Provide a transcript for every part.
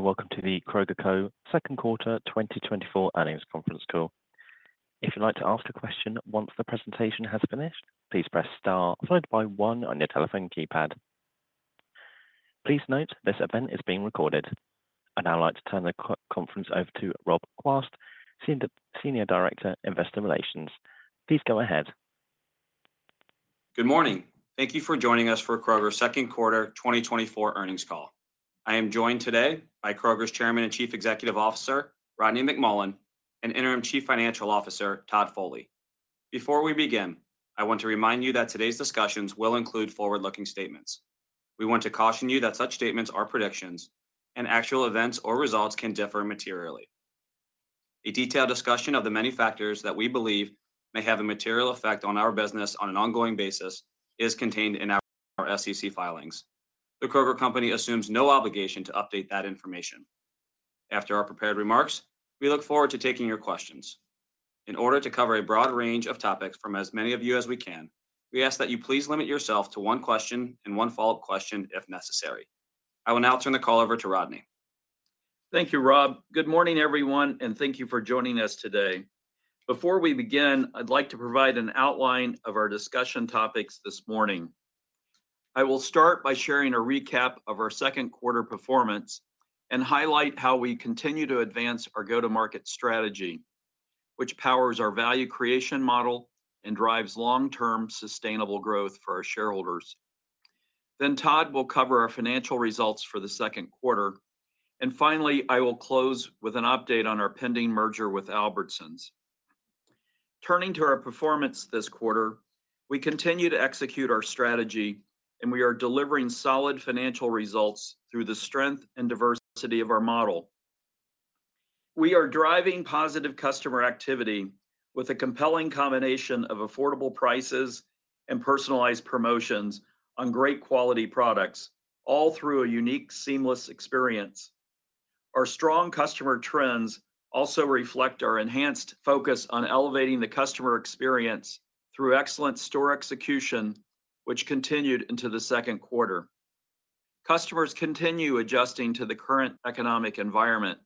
Welcome to the Kroger Co Q2 2024 Earnings Conference Call. If you'd like to ask a question once the presentation has finished, please press star followed by one on your telephone keypad. Please note, this event is being recorded. I'd now like to turn the conference over to Rob Quast, Senior Director, Investor Relations. Please go ahead. Good morning. Thank you for joining us for Kroger's Q2 2024 Earnings Call. I am joined today by Kroger's Chairman and CEO, Rodney McMullen, and Interim CFO, Todd Foley. Before we begin, I want to remind you that today's discussions will include forward-looking statements. We want to caution you that such statements are predictions, and actual events or results can differ materially. A detailed discussion of the many factors that we believe may have a material effect on our business on an ongoing basis is contained in our SEC filings. The Kroger Company assumes no obligation to update that information. After our prepared remarks, we look forward to taking your questions. In order to cover a broad range of topics from as many of you as we can, we ask that you please limit yourself to one question and one follow-up question if necessary. I will now turn the call over to Rodney. Thank you, Rob. Good morning, everyone, and thank you for joining us today. Before we begin, I'd like to provide an outline of our discussion topics this morning. I will start by sharing a recap of our Q2 performance and highlight how we continue to advance our go-to-market strategy, which powers our value creation model and drives long-term sustainable growth for our shareholders. Then Todd will cover our financial results for the Q2, and finally, I will close with an update on our pending merger with Albertsons. Turning to our performance this quarter, we continue to execute our strategy, and we are delivering solid financial results through the strength and diversity of our model. We are driving positive customer activity with a compelling combination of affordable prices and personalized promotions on great quality products, all through a unique, seamless experience. Our strong customer trends also reflect our enhanced focus on elevating the customer experience through excellent store execution, which continued into the Q2. Customers continue adjusting to the current economic environment.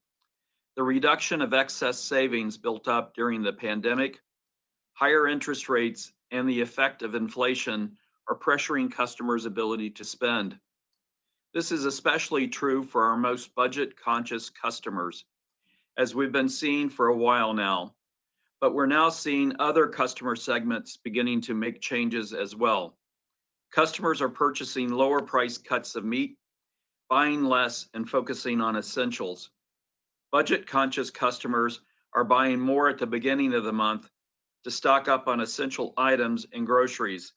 The reduction of excess savings built up during the pandemic, higher interest rates, and the effect of inflation are pressuring customers' ability to spend. This is especially true for our most budget-conscious customers, as we've been seeing for a while now, but we're now seeing other customer segments beginning to make changes as well. Customers are purchasing lower priced cuts of meat, buying less, and focusing on essentials. Budget-conscious customers are buying more at the beginning of the month to stock up on essential items and groceries,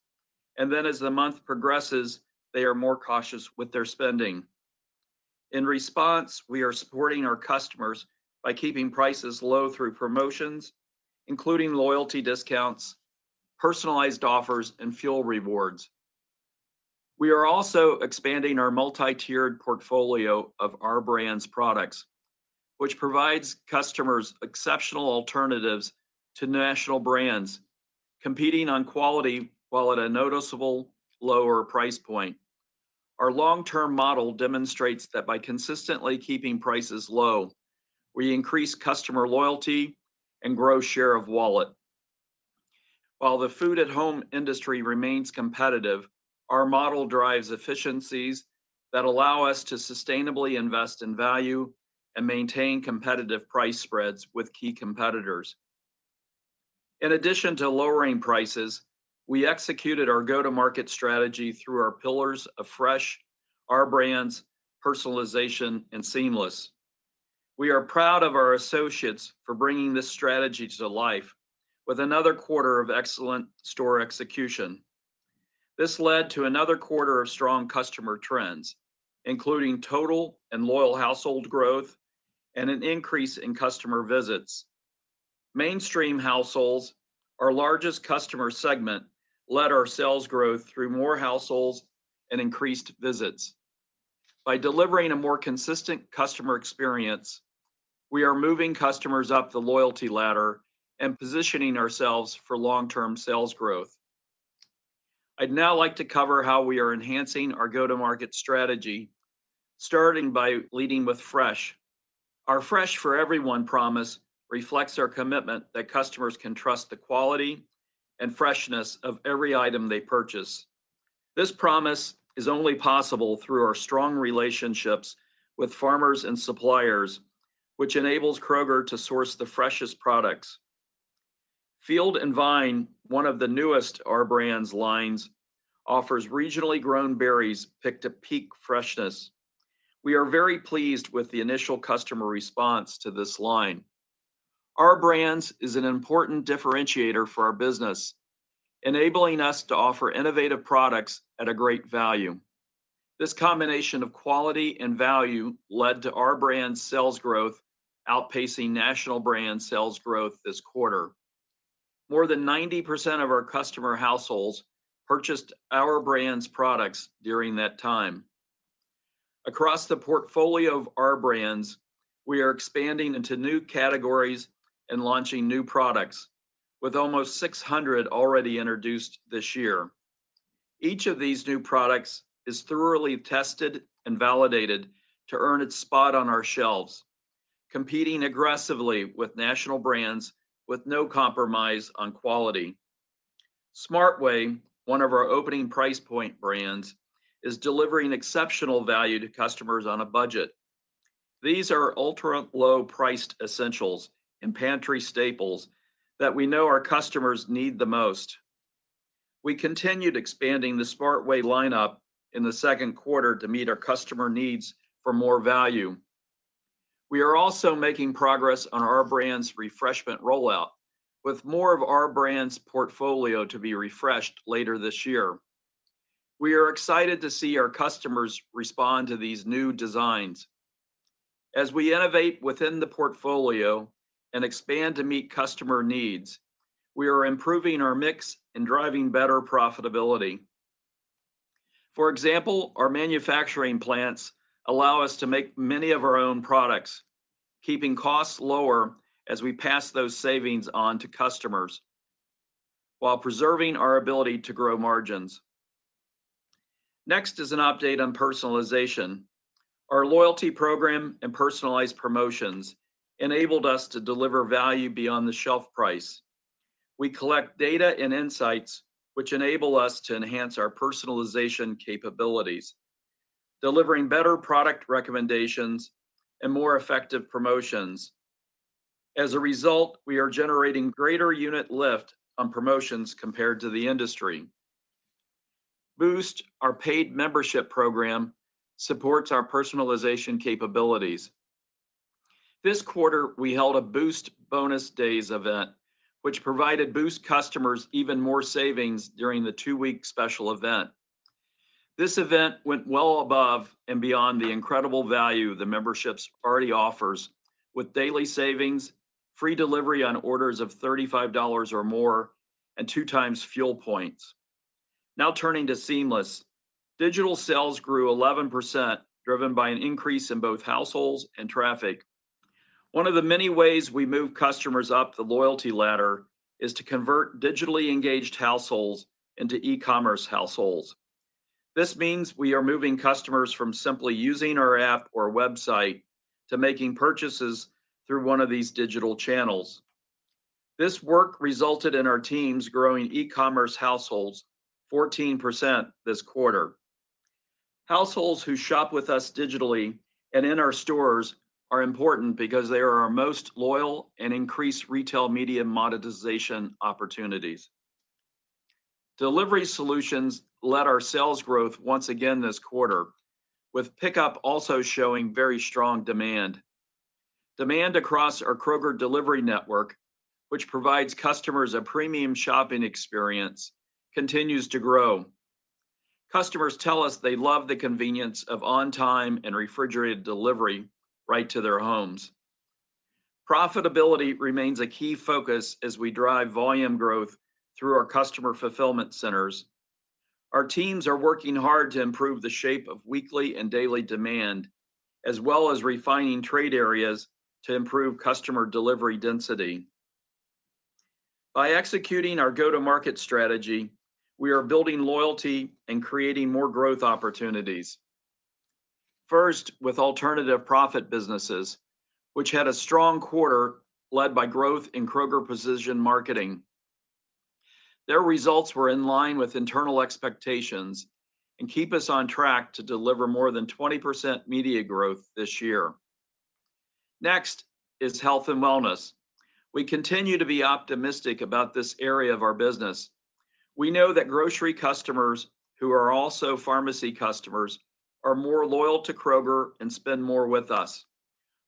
and then as the month progresses, they are more cautious with their spending. In response, we are supporting our customers by keeping prices low through promotions, including loyalty discounts, personalized offers, and fuel rewards. We are also expanding our multi-tiered portfolio of Our Brands products, which provides customers exceptional alternatives to national brands, competing on quality while at a noticeable lower price point. Our long-term model demonstrates that by consistently keeping prices low, we increase customer loyalty and grow share of wallet. While the food at home industry remains competitive, our model drives efficiencies that allow us to sustainably invest in value and maintain competitive price spreads with key competitors. In addition to lowering prices, we executed our go-to-market strategy through our pillars of Fresh, Our Brands, Personalization, and Seamless. We are proud of our associates for bringing this strategy to life with another quarter of excellent store execution. This led to another quarter of strong customer trends, including total and loyal household growth and an increase in customer visits. Mainstream households, our largest customer segment, led our sales growth through more households and increased visits. By delivering a more consistent customer experience, we are moving customers up the loyalty ladder and positioning ourselves for long-term sales growth. I'd now like to cover how we are enhancing our go-to-market strategy, starting by leading with fresh. Our Fresh for Everyone promise reflects our commitment that customers can trust the quality and freshness of every item they purchase. This promise is only possible through our strong relationships with farmers and suppliers, which enables Kroger to source the freshest products. Field & Vine, one of the newest Our Brands lines, offers regionally grown berries picked at peak freshness. We are very pleased with the initial customer response to this line. Our Brands is an important differentiator for our business, enabling us to offer innovative products at a great value. This combination of quality and value led to Our Brands sales growth outpacing national brand sales growth this quarter. More than 90% of our customer households purchased Our Brands products during that time. Across the portfolio of Our Brands, we are expanding into new categories and launching new products, with almost 600 already introduced this year. Each of these new products is thoroughly tested and validated to earn its spot on our shelves, competing aggressively with national brands with no compromise on quality. Smart Way, one of our opening price point brands, is delivering exceptional value to customers on a budget. These are ultra-low priced essentials and pantry staples that we know our customers need the most. We continued expanding the Smart Way lineup in the Q2 to meet our customer needs for more value. We are also making progress on Our Brands' refreshment rollout, with more of Our Brands' portfolio to be refreshed later this year. We are excited to see our customers respond to these new designs. As we innovate within the portfolio and expand to meet customer needs, we are improving our mix and driving better profitability. For example, our manufacturing plants allow us to make many of our own products, keeping costs lower as we pass those savings on to customers, while preserving our ability to grow margins. Next is an update on personalization. Our loyalty program and personalized promotions enabled us to deliver value beyond the shelf price. We collect data and insights, which enable us to enhance our personalization capabilities, delivering better product recommendations and more effective promotions. As a result, we are generating greater unit lift on promotions compared to the industry. Boost, our paid membership program, supports our personalization capabilities. This quarter, we held a Boost Bonus Days event, which provided Boost customers even more savings during the two-week special event. This event went well above and beyond the incredible value the memberships already offers, with daily savings, free delivery on orders of $35 or more, and two times fuel points. Now turning to Seamless, digital sales grew 11%, driven by an increase in both households and traffic. One of the many ways we move customers up the loyalty ladder is to convert digitally engaged households into e-commerce households. This means we are moving customers from simply using our app or website to making purchases through one of these digital channels. This work resulted in our teams growing e-commerce households 14% this quarter. Households who shop with us digitally and in our stores are important because they are our most loyal and increase retail media monetization opportunities. Delivery Solutions led our sales growth once again this quarter, with Pickup also showing very strong demand. Demand across our Kroger Delivery network, which provides customers a premium shopping experience, continues to grow. Customers tell us they love the convenience of on-time and refrigerated delivery right to their homes. Profitability remains a key focus as we drive volume growth through our customer fulfillment centers. Our teams are working hard to improve the shape of weekly and daily demand, as well as refining trade areas to improve customer delivery density. By executing our go-to-market strategy, we are building loyalty and creating more growth opportunities. First, with Alternative Profit businesses, which had a strong quarter led by growth in Kroger Precision Marketing. Their results were in line with internal expectations and keep us on track to deliver more than 20% media growth this year. Next is Health & Wellness. We continue to be optimistic about this area of our business. We know that Grocery customers who are also Pharmacy customers are more loyal to Kroger and spend more with us.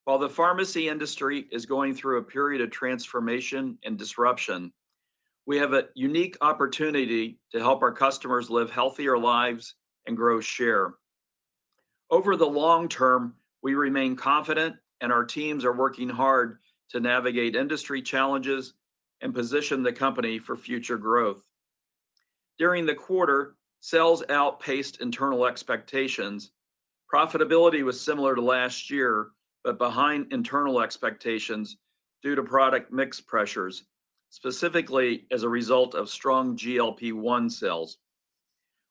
While the pharmacy industry is going through a period of transformation and disruption, we have a unique opportunity to help our customers live healthier lives and grow share. Over the long term, we remain confident and our teams are working hard to navigate industry challenges and position the company for future growth. During the quarter, sales outpaced internal expectations. Profitability was similar to last year, but behind internal expectations due to product mix pressures, specifically as a result of strong GLP-1 sales.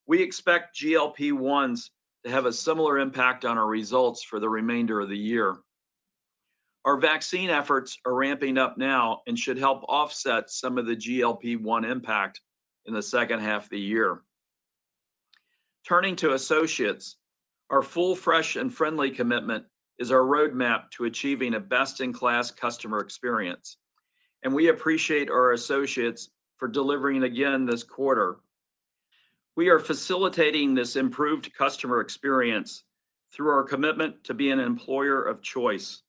We expect GLP-1s to have a similar impact on our results for the remainder of the year. Our vaccine efforts are ramping up now and should help offset some of the GLP-1 impact in the second half of the year. Turning to associates, our Full, Fresh, and Friendly commitment is our roadmap to achieving a best-in-class customer experience, and we appreciate our associates for delivering again this quarter. We are facilitating this improved customer experience through our commitment to be an employer of choice.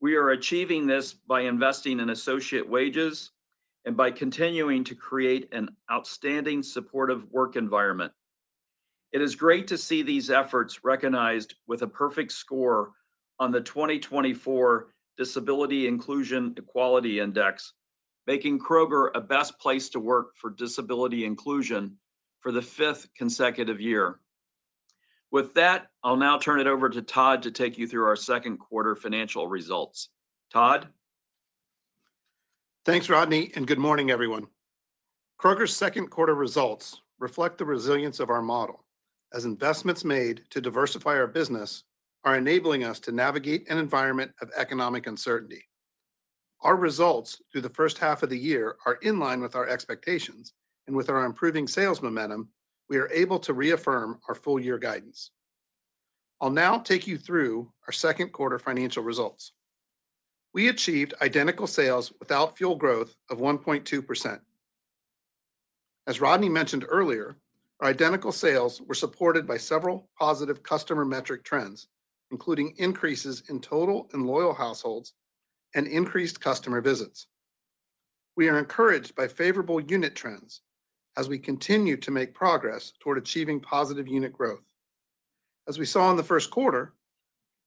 We are achieving this by investing in associate wages and by continuing to create an outstanding, supportive work environment. It is great to see these efforts recognized with a perfect score on the 2024 Disability Equality Index, making Kroger a best place to work for disability inclusion for the fifth consecutive year. With that, I'll now turn it over to Todd to take you through our Q2 financial results. Todd? .Thanks, Rodney, and good morning, everyone. Kroger's Q2 results reflect the resilience of our model, as investments made to diversify our business are enabling us to navigate an environment of economic uncertainty. Our results through the first half of the year are in line with our expectations, and with our improving sales momentum, we are able to reaffirm our full-year guidance. I'll now take you through our Q2 financial results. We achieved identical sales without fuel growth of 1.2%. As Rodney mentioned earlier, our identical sales were supported by several positive customer metric trends, including increases in total and loyal households and increased customer visits. We are encouraged by favorable unit trends as we continue to make progress toward achieving positive unit growth. As we saw in the Q1,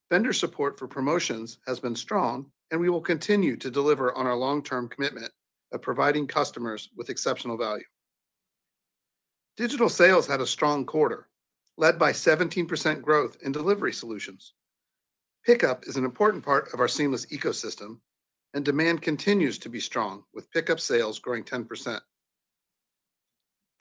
vendor support for promotions has been strong, and we will continue to deliver on our long-term commitment of providing customers with exceptional value. Digital sales had a strong quarter, led by 17% growth in Delivery Solutions. Pickup is an important part of our Seamless ecosystem, and demand continues to be strong, with Pickup sales growing 10%.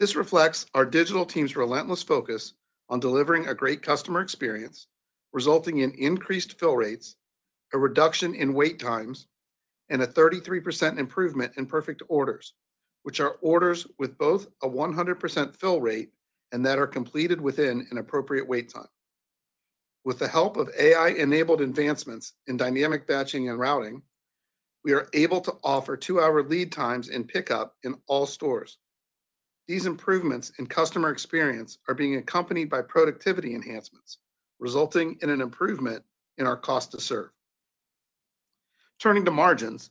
This reflects our digital team's relentless focus on delivering a great customer experience, resulting in increased fill rates, a reduction in wait times, and a 33% improvement in perfect orders, which are orders with both a 100% fill rate and that are completed within an appropriate wait time. With the help of AI-enabled advancements in dynamic batching and routing, we are able to offer two-hour lead times in pickup in all stores. These improvements in customer experience are being accompanied by productivity enhancements, resulting in an improvement in our cost to serve. Turning to margins,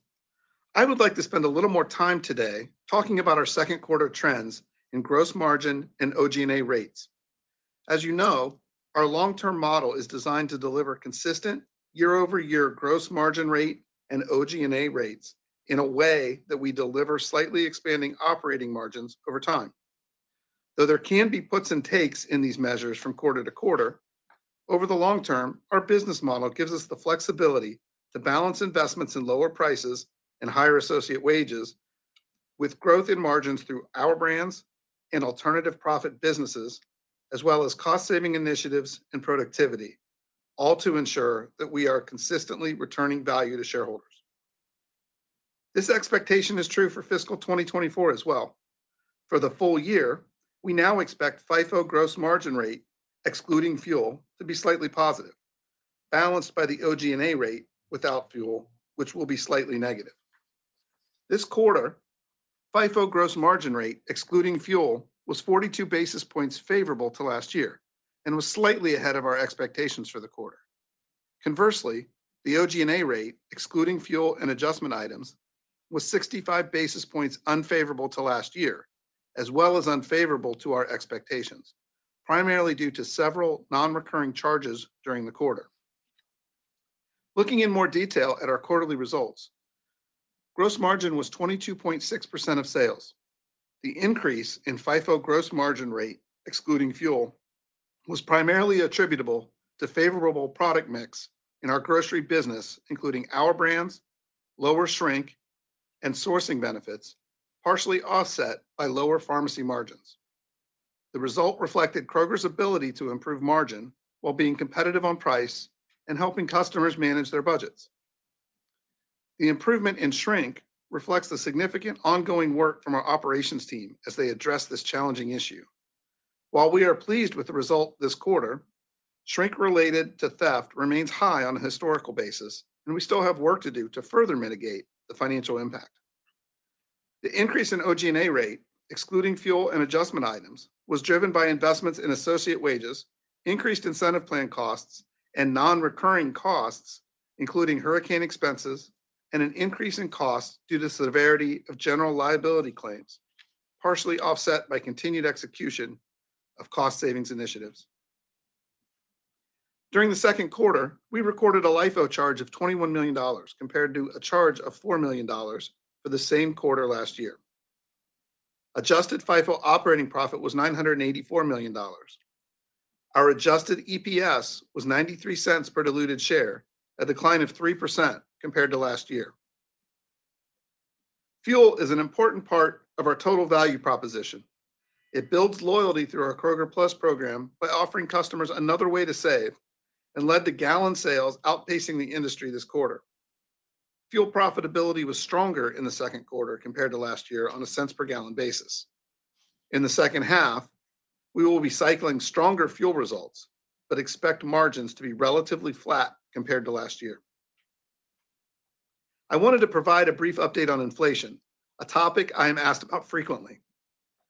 I would like to spend a little more time today talking about our Q2 trends in gross margin and OG&A rates. As you know, our long-term model is designed to deliver consistent year-over-year gross margin rate and OG&A rates in a way that we deliver slightly expanding operating margins over time. Though there can be puts and takes in these measures from quarter-to-quarter, over the long term, our business model gives us the flexibility to balance investments in lower prices and higher associate wages with growth in margins through Our Brands and Alternative Profit businesses, as well as cost-saving initiatives and productivity, all to ensure that we are consistently returning value to shareholders. This expectation is true for fiscal 2024 as well. For the full year, we now expect FIFO gross margin rate, excluding fuel, to be slightly positive, balanced by the OG&A rate without fuel, which will be slightly negative. This quarter, FIFO gross margin rate, excluding fuel, was 42 basis points favorable to last year and was slightly ahead of our expectations for the quarter. Conversely, the OG&A rate, excluding fuel and adjustment items, was 65 basis points unfavorable to last year, as well as unfavorable to our expectations, primarily due to several non-recurring charges during the quarter. Looking in more detail at our quarterly results, gross margin was 22.6% of sales. The increase in FIFO gross margin rate, excluding fuel, was primarily attributable to favorable product mix in our Grocery business, including Our Brands, lower shrink, and sourcing benefits, partially offset by lower Pharmacy margins. The result reflected Kroger's ability to improve margin while being competitive on price and helping customers manage their budgets. The improvement in shrink reflects the significant ongoing work from our operations team as they address this challenging issue. While we are pleased with the result this quarter, shrink related to theft remains high on a historical basis, and we still have work to do to further mitigate the financial impact. The increase in OG&A rate, excluding fuel and adjustment items, was driven by investments in associate wages, increased incentive plan costs, and non-recurring costs, including hurricane expenses and an increase in costs due to severity of general liability claims, partially offset by continued execution of cost savings initiatives. During the Q2, we recorded a LIFO charge of $21 million, compared to a charge of $4 million for the same quarter last year. Adjusted FIFO operating profit was $984 million. Our adjusted EPS was $0.93 per diluted share, a decline of 3% compared to last year. Fuel is an important part of our total value proposition. It builds loyalty through our Kroger Plus program by offering customers another way to save and led to gallon sales outpacing the industry this quarter. Fuel profitability was stronger in the Q2 compared to last year on a cents per gallon basis. In the second half, we will be cycling stronger fuel results, but expect margins to be relatively flat compared to last year. I wanted to provide a brief update on inflation, a topic I am asked about frequently.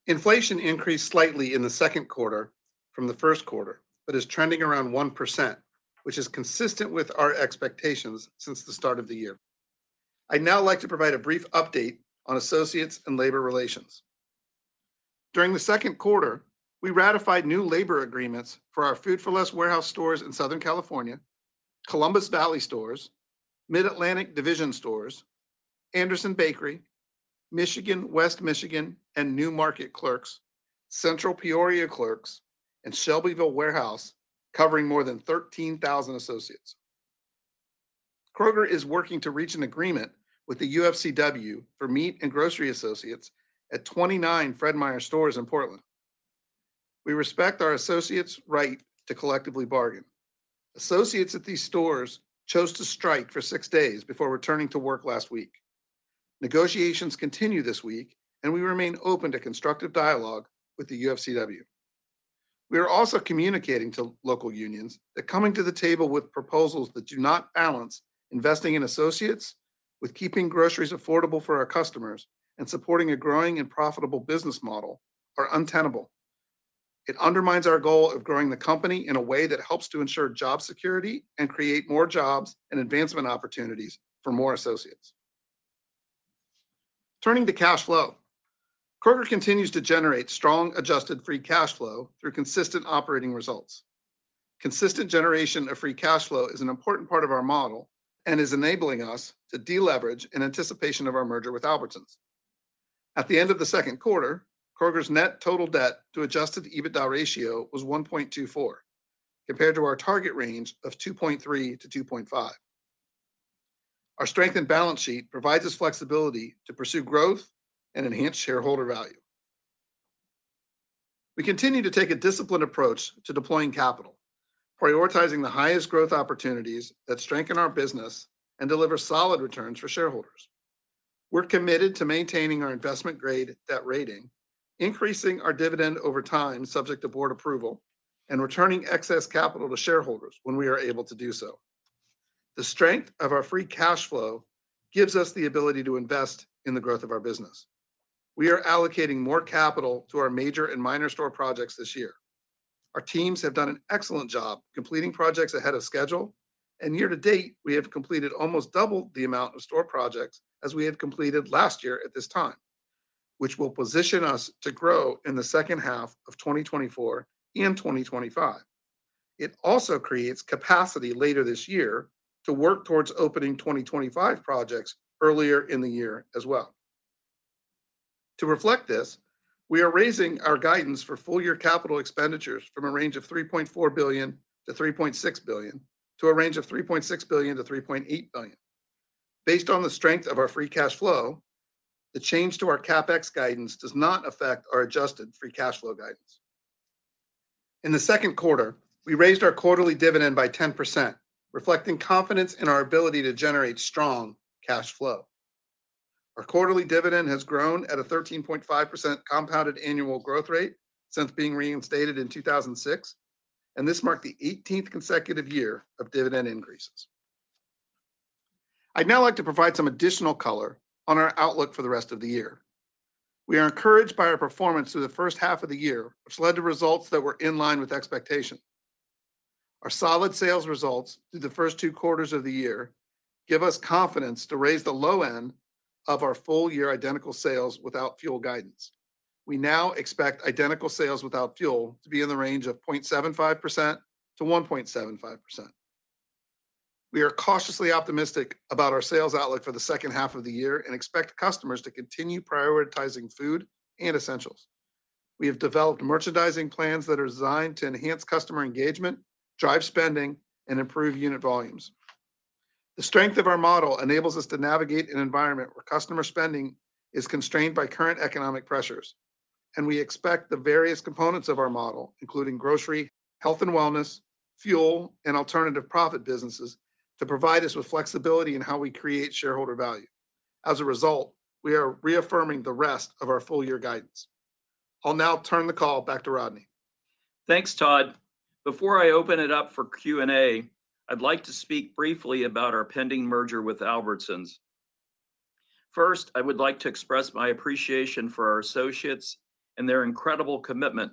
Inflation increased slightly in the Q2 from the Q1, but is trending around 1%, which is consistent with our expectations since the start of the year. I'd now like to provide a brief update on associates and labor relations. During the Q2, we ratified new labor agreements for our Food 4 Less warehouse stores in Southern California, Columbus Valley Stores, Mid-Atlantic Division Stores, Anderson Bakery, Michigan, West Michigan, and New Market Clerks, Central Peoria Clerks, and Shelbyville Warehouse, covering more than 13,000 associates. Kroger is working to reach an agreement with the UFCW for meat and grocery associates at 29 Fred Meyer stores in Portland. We respect our associates' right to collectively bargain. Associates at these stores chose to strike for six days before returning to work last week. Negotiations continue this week, and we remain open to constructive dialogue with the UFCW. We are also communicating to local unions that coming to the table with proposals that do not balance investing in associates with keeping groceries affordable for our customers and supporting a growing and profitable business model are untenable. It undermines our goal of growing the company in a way that helps to ensure job security and create more jobs and advancement opportunities for more associates. Turning to cash flow, Kroger continues to generate strong adjusted free cash flow through consistent operating results. Consistent generation of free cash flow is an important part of our model and is enabling us to deleverage in anticipation of our merger with Albertsons. At the end of the Q2, Kroger's net total debt to adjusted EBITDA ratio was 1.24, compared to our target range of 2.3-2.5. Our strengthened balance sheet provides us flexibility to pursue growth and enhance shareholder value. We continue to take a disciplined approach to deploying capital, prioritizing the highest growth opportunities that strengthen our business and deliver solid returns for shareholders. We're committed to maintaining our investment-grade debt rating, increasing our dividend over time, subject to board approval, and returning excess capital to shareholders when we are able to do so. The strength of our free cash flow gives us the ability to invest in the growth of our business. We are allocating more capital to our major and minor store projects this year. Our teams have done an excellent job completing projects ahead of schedule, and year to date, we have completed almost double the amount of store projects as we had completed last year at this time, which will position us to grow in the second half of 2024 and 2025. It also creates capacity later this year to work towards opening 2025 projects earlier in the year as well. To reflect this, we are raising our guidance for full-year capital expenditures from a range of $3.4 billion-$3.6 billion, to a range of $3.6 billion-$3.8 billion. Based on the strength of our free cash flow, the change to our CapEx guidance does not affect our adjusted free cash flow guidance. In the Q2, we raised our quarterly dividend by 10%, reflecting confidence in our ability to generate strong cash flow. Our quarterly dividend has grown at a 13.5% compounded annual growth rate since being reinstated in 2006, and this marked the 18th consecutive year of dividend increases. I'd now like to provide some additional color on our outlook for the rest of the year. We are encouraged by our performance through the first half of the year, which led to results that were in line with expectation. Our solid sales results through the first two quarters of the year give us confidence to raise the low end of our full-year identical sales without fuel guidance. We now expect identical sales without fuel to be in the range of 0.75%-1.75%. We are cautiously optimistic about our sales outlook for the second half of the year and expect customers to continue prioritizing food and essentials. We have developed merchandising plans that are designed to enhance customer engagement, drive spending, and improve unit volumes. The strength of our model enables us to navigate an environment where customer spending is constrained by current economic pressures, and we expect the various components of our model, including Grocery, Health & Wellness, Fuel, and Alternative Profit businesses, to provide us with flexibility in how we create shareholder value. As a result, we are reaffirming the rest of our full-year guidance. I'll now turn the call back to Rodney. Thanks, Todd. Before I open it up for Q&A, I'd like to speak briefly about our pending merger with Albertsons. First, I would like to express my appreciation for our associates and their incredible commitment.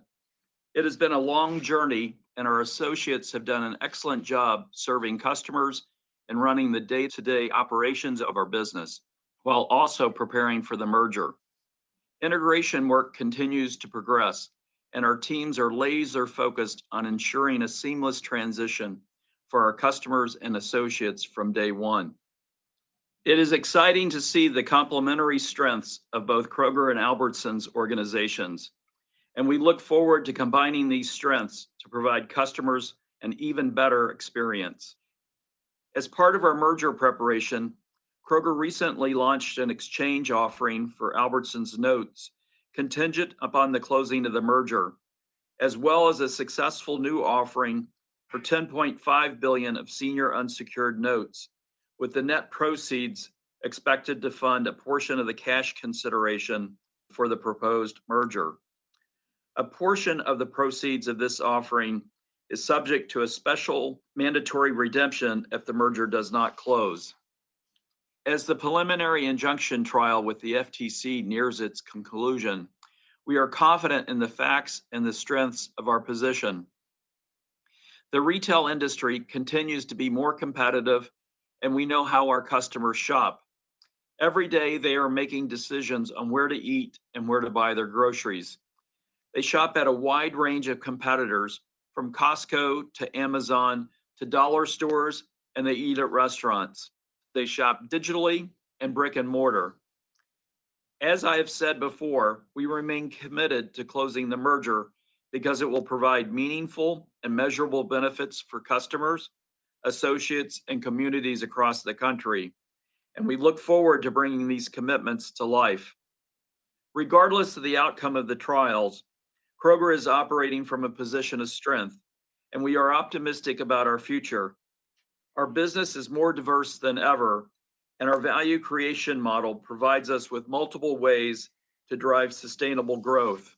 It has been a long journey, and our associates have done an excellent job serving customers and running the day-to-day operations of our business while also preparing for the merger. Integration work continues to progress, and our teams are laser-focused on ensuring a seamless transition for our customers and associates from day one. It is exciting to see the complementary strengths of both Kroger and Albertsons organizations, and we look forward to combining these strengths to provide customers an even better experience. As part of our merger preparation, Kroger recently launched an exchange offering for Albertsons' notes, contingent upon the closing of the merger, as well as a successful new offering for $10.5 billion of senior unsecured notes, with the net proceeds expected to fund a portion of the cash consideration for the proposed merger. A portion of the proceeds of this offering is subject to a special mandatory redemption if the merger does not close. As the preliminary injunction trial with the FTC nears its conclusion, we are confident in the facts and the strengths of our position. The retail industry continues to be more competitive, and we know how our customers shop. Every day, they are making decisions on where to eat and where to buy their groceries.... They shop at a wide range of competitors, from Costco to Amazon to dollar stores, and they eat at restaurants. They shop digitally and brick and mortar. As I have said before, we remain committed to closing the merger because it will provide meaningful and measurable benefits for customers, associates, and communities across the country, and we look forward to bringing these commitments to life. Regardless of the outcome of the trials, Kroger is operating from a position of strength, and we are optimistic about our future. Our business is more diverse than ever, and our value creation model provides us with multiple ways to drive sustainable growth.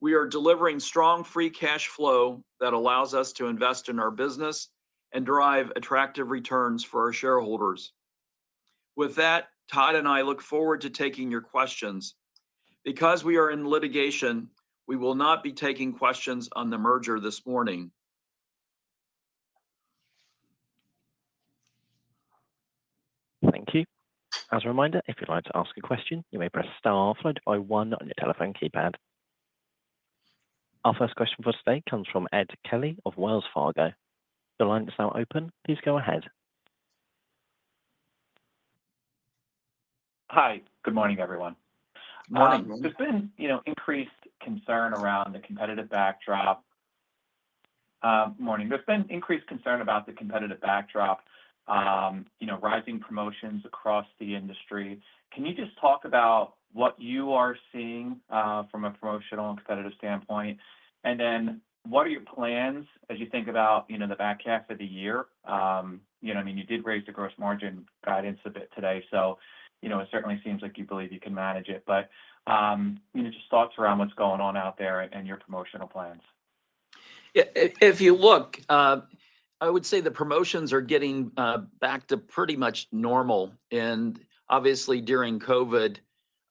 We are delivering strong free cash flow that allows us to invest in our business and drive attractive returns for our shareholders. With that, Todd and I look forward to taking your questions. Because we are in litigation, we will not be taking questions on the merger this morning. Thank you. As a reminder, if you'd like to ask a question, you may press star followed by one on your telephone keypad. Our first question for today comes from Ed Kelly of Wells Fargo. Your line is now open. Please go ahead. Hi. Good morning, everyone. Morning. There's been increased concern about the competitive backdrop, you know, rising promotions across the industry. Can you just talk about what you are seeing from a promotional and competitive standpoint? And then what are your plans as you think about, you know, the back half of the year? You know, I mean, you did raise the gross margin guidance a bit today, so, you know, it certainly seems like you believe you can manage it. But, you know, just thoughts around what's going on out there and your promotional plans. Yeah, if you look, I would say the promotions are getting back to pretty much normal. And obviously, during COVID,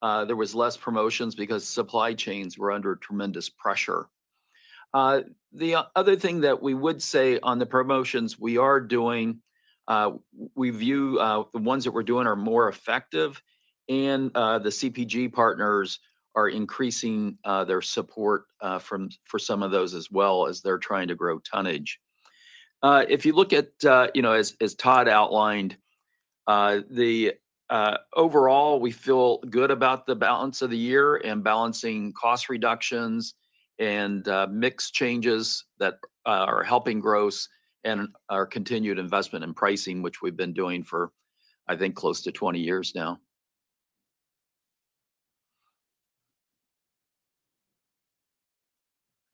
there was less promotions because supply chains were under tremendous pressure. The other thing that we would say on the promotions we are doing, we view the ones that we're doing are more effective and the CPG partners are increasing their support for some of those as well as they're trying to grow tonnage. If you look at, you know, as Todd outlined, the overall, we feel good about the balance of the year and balancing cost reductions and mix changes that are helping gross and our continued investment in pricing, which we've been doing for, I think, close to 20 now.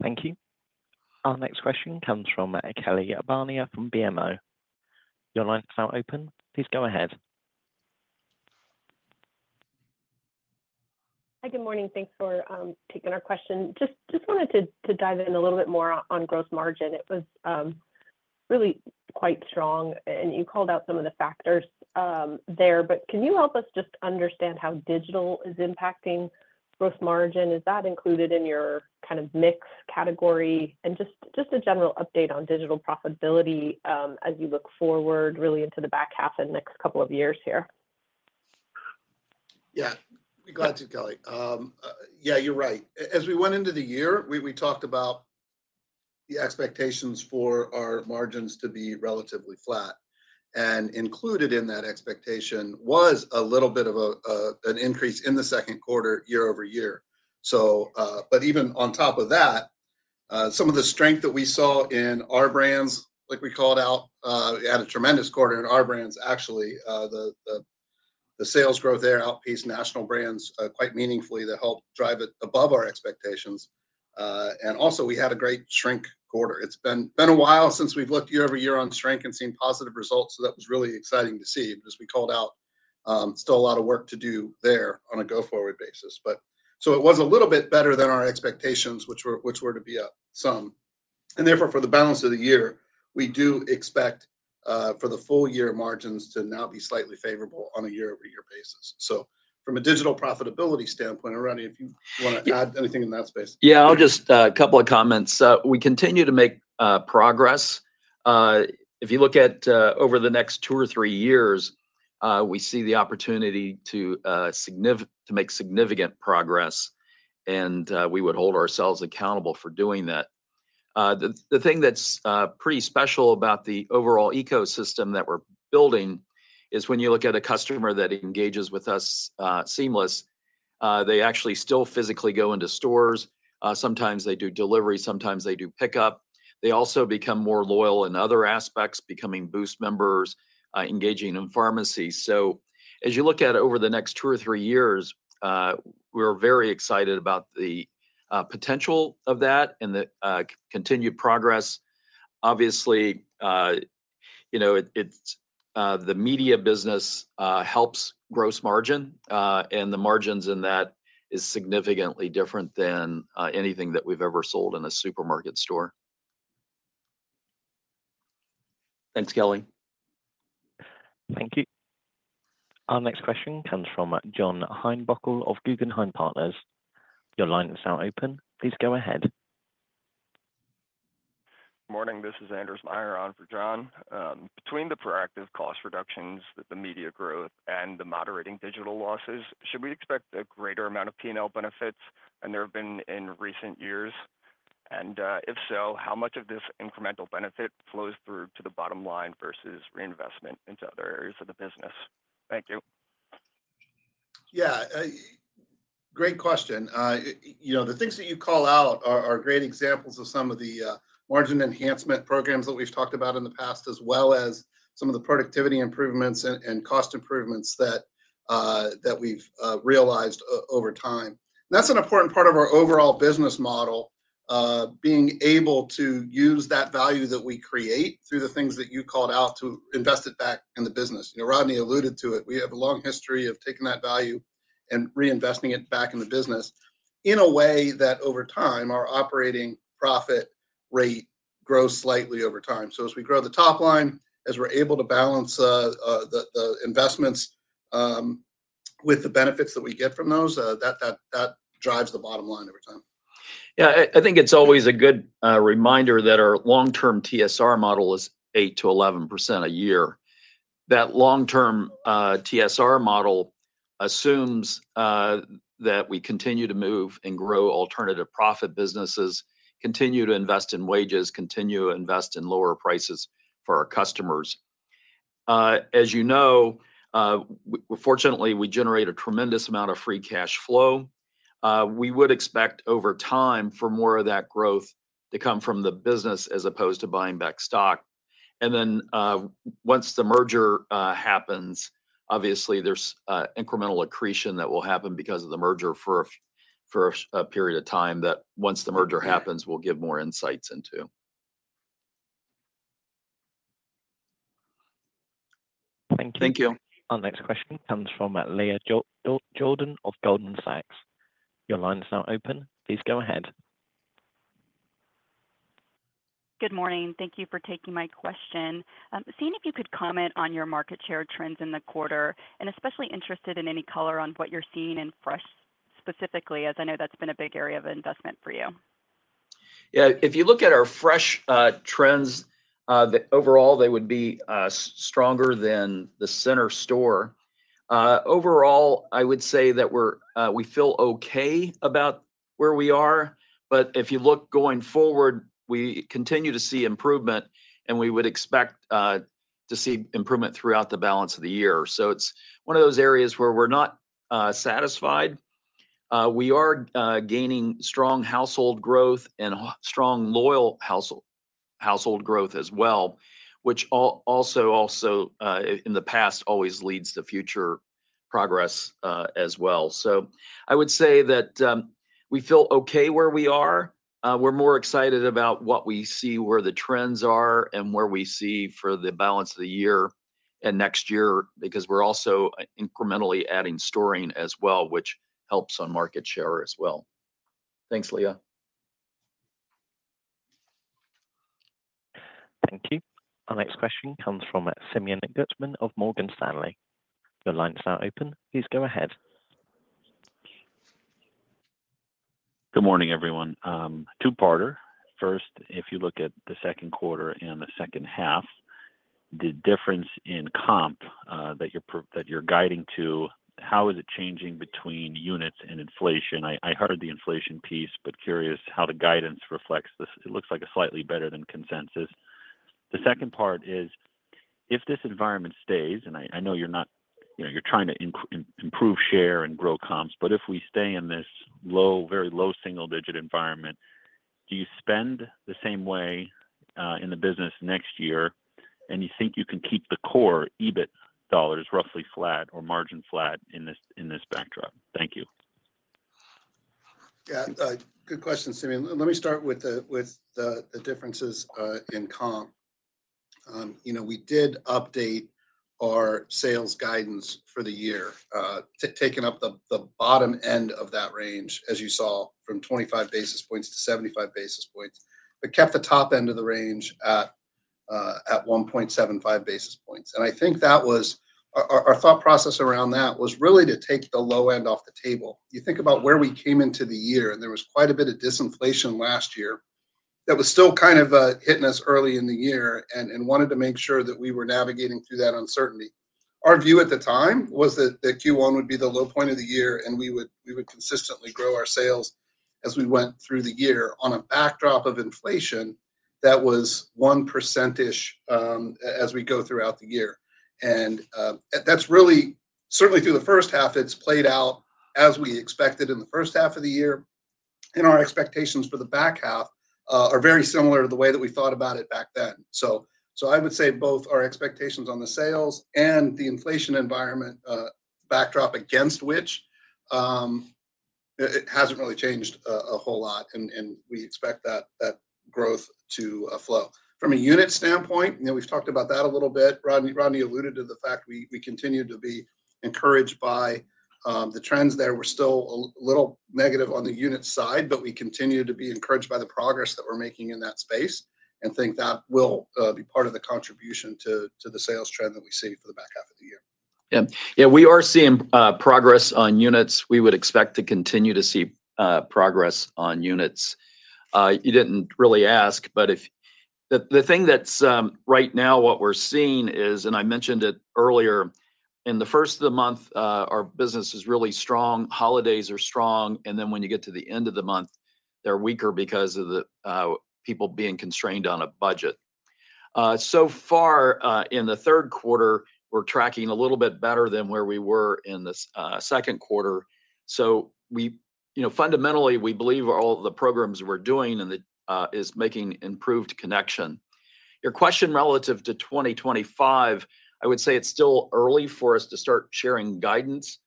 Thank you. Our next question comes from Kelly Bania from BMO. Your line is now open. Please go ahead. Hi, good morning. Thanks for taking our question. Just wanted to dive in a little bit more on gross margin. It was really quite strong, and you called out some of the factors there, but can you help us just understand how digital is impacting gross margin? Is that included in your kind of mix category, and just a general update on digital profitability, as you look forward really into the back half and the next couple of years here? Yeah. Be glad to, Kelly. Yeah, you're right. As we went into the year, we talked about the expectations for our margins to be relatively flat, and included in that expectation was a little bit of an increase in the Q2, year over year. So, but even on top of that, some of the strength that we saw in Our Brands, like we called out, had a tremendous quarter in Our Brands, actually. The sales growth there outpaced national brands quite meaningfully to help drive it above our expectations and also, we had a great shrink quarter. It's been a while since we've looked year over year on shrink and seen positive results, so that was really exciting to see, but as we called out, still a lot of work to do there on a go-forward basis. But, so it was a little bit better than our expectations, which were to be up some and therefore, for the balance of the year, we do expect for the full year margins to now be slightly favorable on a year-over-year basis. So from a digital profitability standpoint, or Rodney, if you wanna add anything in that space. Yeah, I'll just a couple of comments. We continue to make progress. If you look at over the next two or three years, we see the opportunity to make significant progress, and we would hold ourselves accountable for doing that. The thing that's pretty special about the overall ecosystem that we're building is when you look at a customer that engages with us seamlessly, they actually still physically go into stores. Sometimes they do delivery, sometimes they do pickup. They also become more loyal in other aspects, becoming Boost members, engaging in pharmacy. So as you look at over the next two or three years, we're very excited about the potential of that and the continued progress. Obviously, you know, it's the media business helps gross margin, and the margins in that is significantly different than anything that we've ever sold in a supermarket store. Thanks, Kelly. Thank you. Our next question comes from John Heinbockel of Guggenheim Partners. Your line is now open. Please go ahead. Morning, this is Anders Meyer on for John. Between the proactive cost reductions, the media growth, and the moderating digital losses, should we expect a greater amount of P&L benefits than there have been in recent years? and, if so, how much of this incremental benefit flows through to the bottom line versus reinvestment into other areas of the business? Thank you. Yeah, great question. You know, the things that you call out are great examples of some of the margin enhancement programs that we've talked about in the past, as well as some of the productivity improvements and cost improvements that we've realized over time. That's an important part of our overall business model, being able to use that value that we create through the things that you called out to invest it back in the business. You know, Rodney alluded to it. We have a long history of taking that value and reinvesting it back in the business in a way that, over time, our operating profit rate grows slightly over time. So as we grow the top line, as we're able to balance the investments with the benefits that we get from those, that drives the bottom line over time. Yeah, I think it's always a good reminder that our long-term TSR model is 8%-11% a year. That long-term TSR model assumes that we continue to move and grow Alternative Profit businesses, continue to invest in wages, continue to invest in lower prices for our customers. As you know, fortunately, we generate a tremendous amount of free cash flow. We would expect, over time, for more of that growth to come from the business as opposed to buying back stock. and then, once the merger happens, obviously, there's incremental accretion that will happen because of the merger for a period of time, that once the merger happens, we'll give more insights into. Thank you. Thank you. Our next question comes from Leah Jordan of Goldman Sachs. Your line is now open. Please go ahead. Good morning. Thank you for taking my question. Seeing if you could comment on your market share trends in the quarter, and especially interested in any color on what you're seeing in fresh specifically, as I know that's been a big area of investment for you? Yeah, if you look at our fresh trends, the overall, they would be stronger than the center store. Overall, I would say that we feel okay about where we are, but if you look going forward, we continue to see improvement, and we would expect to see improvement throughout the balance of the year. It's one of those areas where we're not satisfied. We are gaining strong household growth and a strong loyal household growth as well, which also, in the past, always leads to future progress as well. I would say that we feel okay where we are. We're more excited about what we see, where the trends are, and where we see for the balance of the year and next year, because we're also incrementally adding stores as well, which helps on market share as well. Thanks, Leah. Thank you. Our next question comes from Simeon Gutman of Morgan Stanley. Your line is now open, please go ahead. Good morning, everyone. Two-parter. First, if you look at the Q2 and the second half, the difference in comp that you're guiding to, how is it changing between units and inflation? I heard the inflation piece, but curious how the guidance reflects this. It looks like a slightly better than consensus. The second part is, if this environment stays, and I know you're not... You know, you're trying to improve share and grow comps, but if we stay in this low, very low single-digit environment, do you spend the same way in the business next year, and you think you can keep the core EBIT dollars roughly flat or margin flat in this backdrop? Thank you. Yeah, good question, Simeon. Let me start with the differences in comp. You know, we did update our sales guidance for the year, taking up the bottom end of that range, as you saw, from 25 basis points to 75 basis points, but kept the top end of the range at 1.75 basis points. I think that was... Our thought process around that was really to take the low end off the table. You think about where we came into the year, and there was quite a bit of disinflation last year, that was still kind of hitting us early in the year and wanted to make sure that we were navigating through that uncertainty. Our view at the time was that Q1 would be the low point of the year, and we would consistently grow our sales as we went through the year on a backdrop of inflation that was 1% as we go throughout the year. That's really certainly through the first half. It's played out as we expected in the first half of the year, and our expectations for the back half are very similar to the way that we thought about it back then. I would say both our expectations on the sales and the inflation environment backdrop against which it hasn't really changed a whole lot, and we expect that growth to flow. From a unit standpoint, you know, we've talked about that a little bit. Rodney alluded to the fact we continue to be encouraged by the trends there. We're still a little negative on the unit side, but we continue to be encouraged by the progress that we're making in that space, and think that will be part of the contribution to the sales trend that we see for the back half of the year. .Yeah, yeah, we are seeing progress on units. We would expect to continue to see progress on units. You didn't really ask, but if... The thing that's right now what we're seeing is, and I mentioned it earlier, in the first of the month, our business is really strong, holidays are strong, and then when you get to the end of the month, they're weaker because of the people being constrained on a budget. So far, in the Q3, we're tracking a little bit better than where we were in the Q2. So we, you know, fundamentally, we believe all of the programs we're doing and the is making improved connection. Your question relative to 2025, I would say it's still early for us to start sharing guidance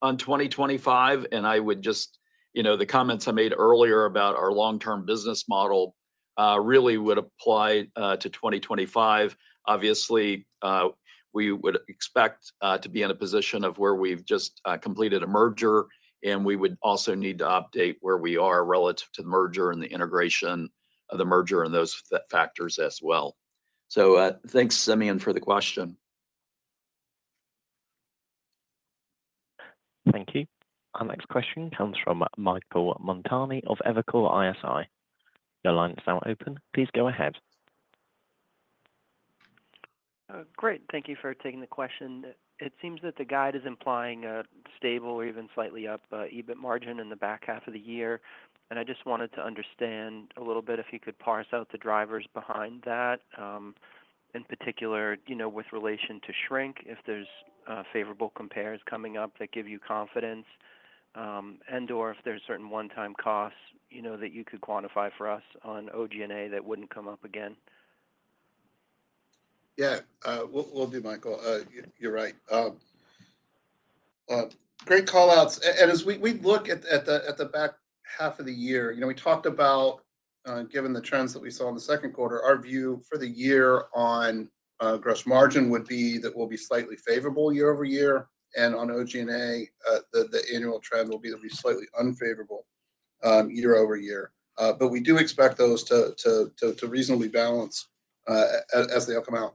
on 2025, and I would just... You know, the comments I made earlier about our long-term business model really would apply to 2025. Obviously, we would expect to be in a position of where we've just completed a merger, and we would also need to update where we are relative to the merger and the integration of the merger and those factors as well. So, thanks, Simeon, for the question. Thank you. Our next question comes from Michael Montani of Evercore ISI. Your line is now open. Please go ahead. Great. Thank you for taking the question. It seems that the guide is implying a stable or even slightly up EBIT margin in the back half of the year, and I just wanted to understand a little bit, if you could parse out the drivers behind that. In particular, you know, with relation to shrink, if there's favorable compares coming up that give you confidence, and/or if there's certain one-time costs, you know, that you could quantify for us on OG&A that wouldn't come up again. Yeah, will do, Michael. You're right. Great call-outs and as we look at the back half of the year, you know, we talked about, given the trends that we saw in the Q2, our view for the year on gross margin would be that we'll be slightly favorable year over year, and on OG&A, the annual trend will be at least slightly unfavorable year over year. But we do expect those to reasonably balance as they all come out.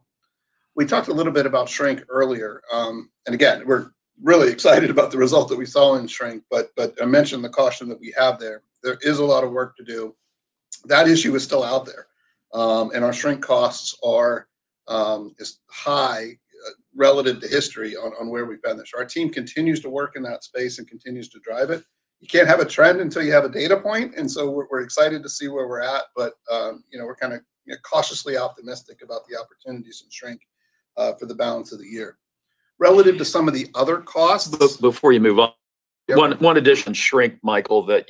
We talked a little bit about shrink earlier and again, we're really excited about the result that we saw in shrink, but I mentioned the caution that we have there. There is a lot of work to do. That issue is still out there, and our shrink costs is high relative to history on where we've been. Our team continues to work in that space and continues to drive it. You can't have a trend until you have a data point, and so we're excited to see where we're at, but you know, we're kind of you know, cautiously optimistic about the opportunities in shrink for the balance of the year. Relative to some of the other costs- Before you move on- Yeah. One addition to shrink, Michael, that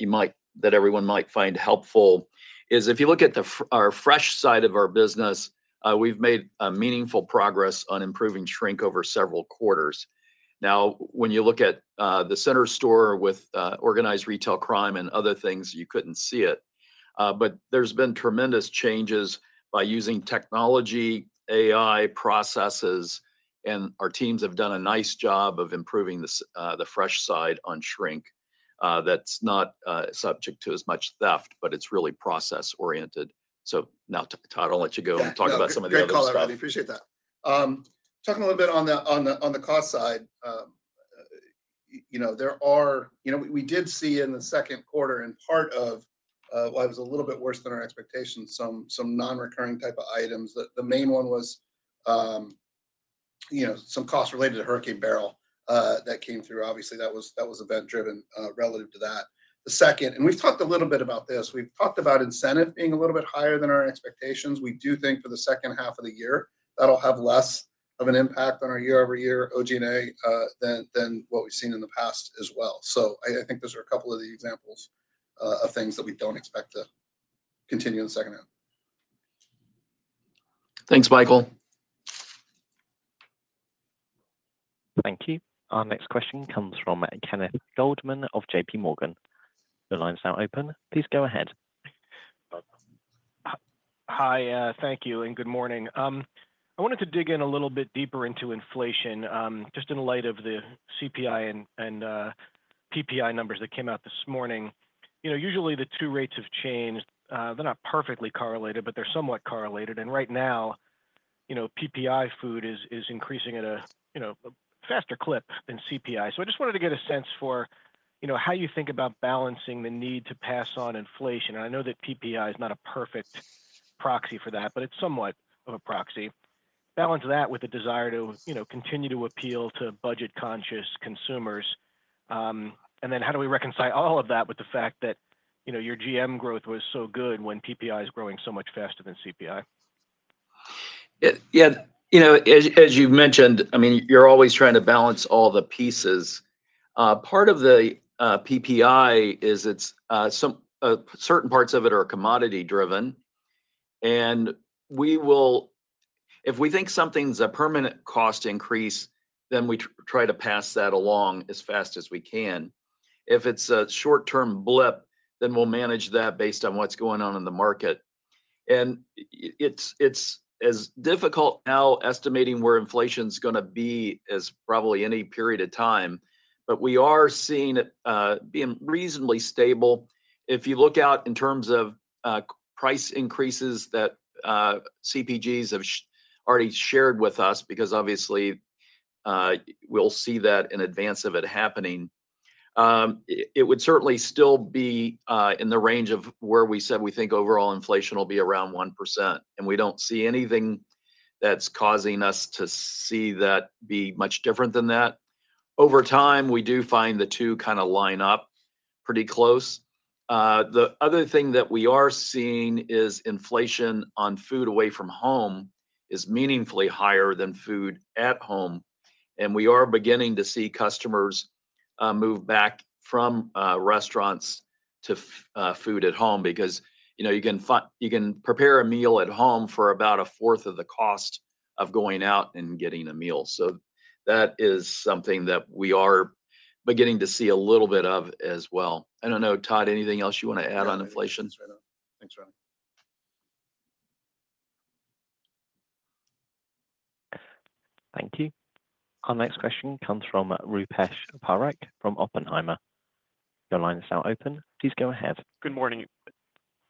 everyone might find helpful is if you look at our Fresh side of our business, we've made meaningful progress on improving shrink over several quarters. Now, when you look at the center store with organized retail crime and other things, you couldn't see it, but there's been tremendous changes by using technology, AI, processes, and our teams have done a nice job of improving the fresh side on shrink. That's not subject to as much theft, but it's really process-oriented. So now, Todd, I'll let you go and talk about some of the other stuff. Yeah. Great call-out, Rodney. Appreciate that. Talking a little bit on the cost side, you know, there are... You know, we did see in the Q2 and part of why it was a little bit worse than our expectations, some non-recurring type of items. The main one was, you know, some costs related to Hurricane Beryl that came through. Obviously, that was event-driven relative to that. The second, and we've talked a little bit about this. We've talked about incentive being a little bit higher than our expectations. We do think for the second half of the year, that'll have less of an impact on our year-over-year OG&A than what we've seen in the past as well. I think those are a couple of the examples of things that we don't expect to continue in the second half. Thanks, Michael. Thank you. Our next question comes from Kenneth Goldman of JPMorgan. Your line is now open. Please go ahead. Hi, thank you, and good morning. I wanted to dig in a little bit deeper into inflation, just in light of the CPI and PPI numbers that came out this morning. You know, usually, the two rates have changed. They're not perfectly correlated, but they're somewhat correlated and right now, you know, PPI food is increasing at a faster clip than CPI. So I just wanted to get a sense for, you know, how you think about balancing the need to pass on inflation. I know that PPI is not a perfect proxy for that, but it's somewhat of a proxy. Balance that with the desire to, you know, continue to appeal to budget-conscious consumers. Then how do we reconcile all of that with the fact that, you know, your GM growth was so good when PPI is growing so much faster than CPI? Yeah, you know, as you mentioned, I mean, you're always trying to balance all the pieces. Part of the PPI is it's some certain parts of it are commodity-driven, and we will, if we think something's a permanent cost increase, then we try to pass that along as fast as we can. If it's a short-term blip, then we'll manage that based on what's going on in the market. And it's as difficult now estimating where inflation's gonna be as probably any period of time, but we are seeing it being reasonably stable. If you look out in terms of price increases that CPGs have already shared with us, because obviously, we'll see that in advance of it happening. It would certainly still be in the range of where we said we think overall inflation will be around 1%, and we don't see anything that's causing us to see that be much different than that. Over time, we do find the two kind of line up pretty close. The other thing that we are seeing is inflation on food away from home is meaningfully higher than food at home, and we are beginning to see customers move back from restaurants to food at home. Because, you know, you can prepare a meal at home for about a fourth of the cost of going out and getting a meal. So that is something that we are beginning to see a little bit of as well. I don't know, Todd, anything else you want to add on inflation? Thanks, Rodney Thank you. Our next question comes from Rupesh Parikh from Oppenheimer. Your line is now open. Please go ahead. Good morning.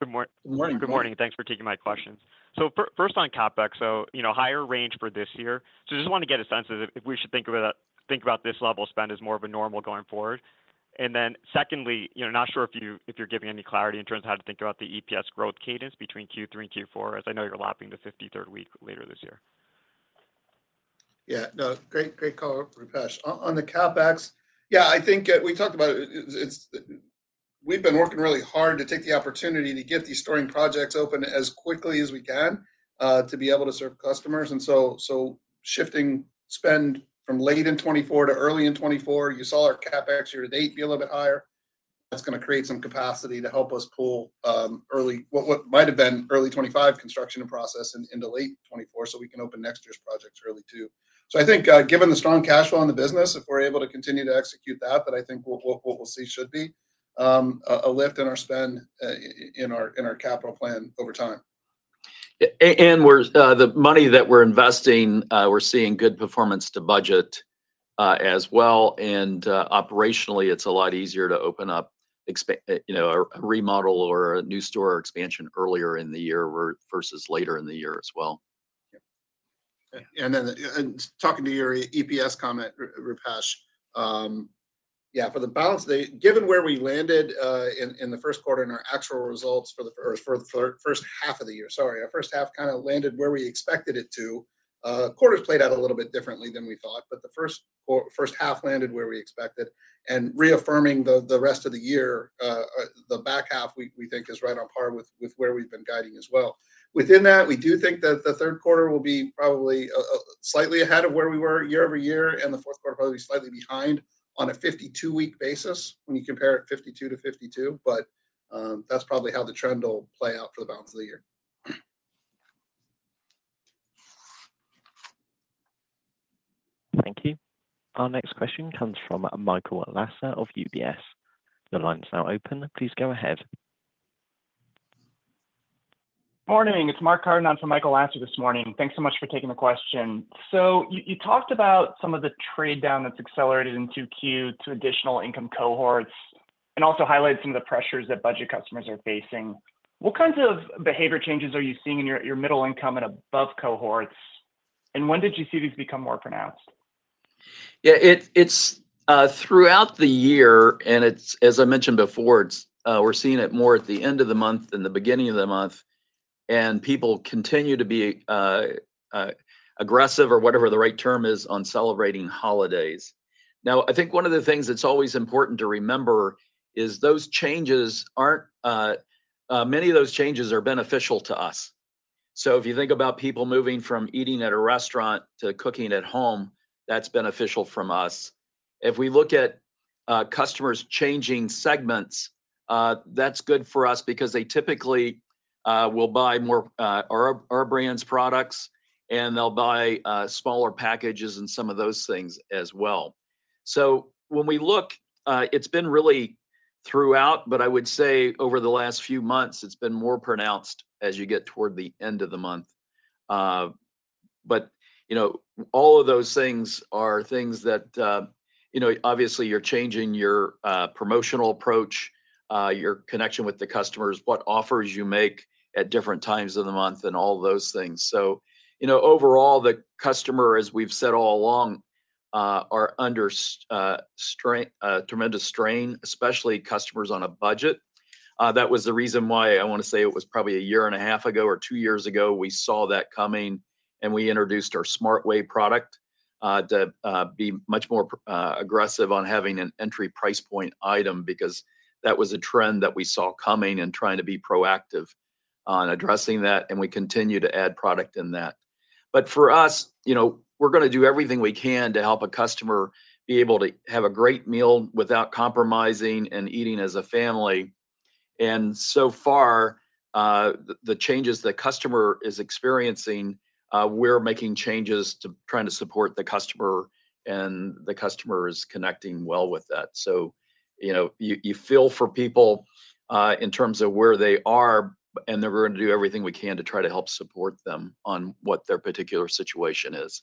Good morning. Good morning, thanks for taking my questions. So first on CapEx, so, you know, higher range for this year. So just want to get a sense of if we should think about that, think about this level spend as more of a normal going forward and then secondly, you know, not sure if you're giving any clarity in terms of how to think about the EPS growth cadence between Q3 and Q4, as I know you're lapping the fifty-third week later this year. Yeah. No, great, great call, Rupesh. On the CapEx, yeah, I think we talked about it. We've been working really hard to take the opportunity to get these store and projects open as quickly as we can to be able to serve customers. So shifting spend from late in 2024 to early in 2024, you saw our CapEx year-to-date be a little bit higher. That's gonna create some capacity to help us pull early what might have been early 2025 construction and process in into late 2024, so we can open next year's projects early, too. So I think given the strong cash flow in the business, if we're able to continue to execute that, but I think what we'll see should be a lift in our spend in our capital plan over time. Yeah, and the money that we're investing, we're seeing good performance to budget, as well. And, operationally, it's a lot easier to open up, you know, a remodel or a new store expansion earlier in the year versus later in the year as well. Yeah. And then, and talking to your EPS comment, Rupesh, yeah, for the balance, given where we landed in the Q1 and our actual results for the first half of the year, sorry, our first half kind of landed where we expected it to. Quarter's played out a little bit differently than we thought, but the first half landed where we expected and reaffirming the rest of the year, the back half, we think is right on par with where we've been guiding as well. Within that, we do think that the Q3 will be probably slightly ahead of where we were year over year, and the Q4 will probably be slightly behind on a 52-week basis when you compare it 52-52. But, that's probably how the trend will play out for the balance of the year. Thank you. Our next question comes from Michael Lasser of UBS. Your line is now open. Please go ahead. Morning, it's Mark Carden for Michael Lasser this morning. Thanks so much for taking the question. So you talked about some of the trade down that's accelerated in Q2 to additional income cohorts, and also highlighted some of the pressures that budget customers are facing. What kinds of behavior changes are you seeing in your middle income and above cohorts, and when did you see these become more pronounced? Yeah, it's throughout the year, and as I mentioned before, we're seeing it more at the end of the month than the beginning of the month and people continue to be aggressive, or whatever the right term is, on celebrating holidays. Now, I think one of the things that's always important to remember is those changes aren't. Many of those changes are beneficial to us. So if you think about people moving from eating at a restaurant to cooking at home, that's beneficial to us. If we look at customers changing segments, that's good for us, because they typically will buy more our brand's products, and they'll buy smaller packages and some of those things as well. So when we look, it's been really throughout, but I would say over the last few months, it's been more pronounced as you get toward the end of the month. But, you know, all of those things are things that, you know, obviously, you're changing your promotional approach, your connection with the customers, what offers you make at different times of the month, and all of those things. So, you know, overall, the customer, as we've said all along, are under strain, tremendous strain, especially customers on a budget. That was the reason why. I want to say it was probably a year and a half ago or two years ago. We saw that coming, and we introduced our Smart Way product to be much more aggressive on having an entry price point item, because that was a trend that we saw coming and trying to be proactive on addressing that, and we continue to add product in that, but for us, you know, we're gonna do everything we can to help a customer be able to have a great meal without compromising and eating as a family, and so far, the changes the customer is experiencing, we're making changes to trying to support the customer, and the customer is connecting well with that. You know, you feel for people in terms of where they are, and that we're going to do everything we can to try to help support them on what their particular situation is.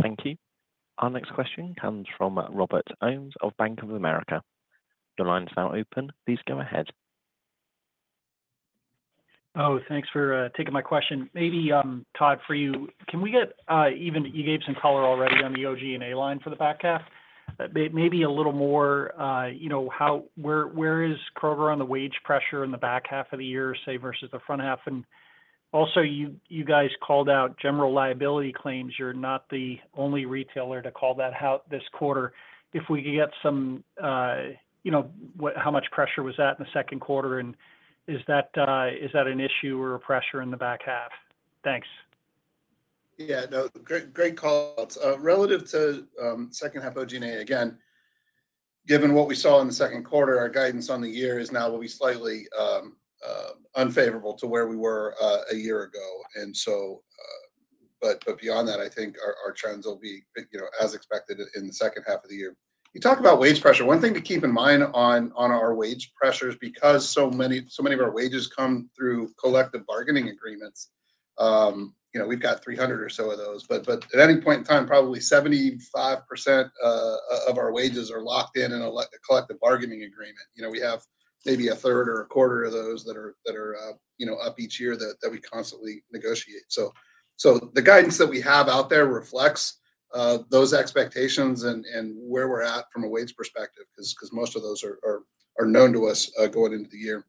Thank you. Our next question comes from Robert Ohmes of Bank of America. Your line is now open. Please go ahead. Oh, thanks fora taking my question. Maybe, Todd, for you, can we get even EPS in color already on the OG&A line for the back half? Maybe a little more, you know, where is Kroger on the wage pressure in the back half of the year, say, versus the front half? And also, you guys called out general liability claims. You're not the only retailer to call that out this quarter. If we could get some, you know, how much pressure was that in the Q2, and is that an issue or a pressure in the back half? Thanks. Yeah, no, great, great calls. Relative to second half OG&A, again, given what we saw in the Q2, our guidance on the year is now will be slightly unfavorable to where we were a year ago and so, but beyond that, I think our trends will be, you know, as expected in the second half of the year. You talk about wage pressure, one thing to keep in mind on our wage pressure is because so many of our wages come through collective bargaining agreements, you know, we've got 300 or so of those, but at any point in time, probably 75% of our wages are locked in in a collective bargaining agreement. You know, we have maybe 1/3 or 1/4 of those that are you know up each year that we constantly negotiate. So the guidance that we have out there reflects those expectations and where we're at from a wage perspective, 'cause most of those are known to us going into the year.